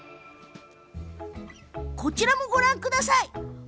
こちらもご覧ください。